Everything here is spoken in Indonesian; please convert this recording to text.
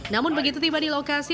namun begitu tiba di lokasi